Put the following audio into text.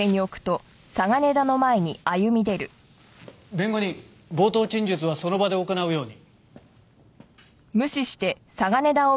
弁護人冒頭陳述はその場で行うように。